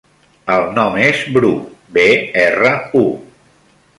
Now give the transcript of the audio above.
El nom és Bru: be, erra, u.